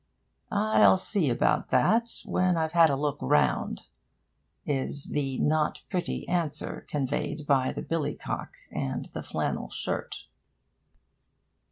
'I'll see about that when I've had a look round!' is the not pretty answer conveyed by the billy cock and the flannel shirt.